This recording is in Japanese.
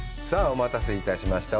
お待たせいたしました。